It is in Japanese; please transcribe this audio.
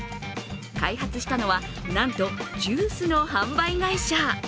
開発したのは、なんとジュースの販売会社。